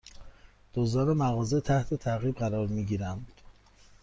دزدان مغازه تحت تعقیب قرار می گیرند